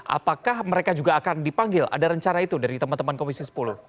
apakah mereka juga akan dipanggil ada rencana itu dari teman teman komisi sepuluh